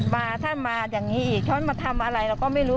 มาถ้ามาอย่างนี้อีกฉันมาทำอะไรเราก็ไม่รู้